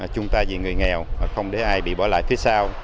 chúng ta vì người nghèo không để ai bị bỏ lại phía sau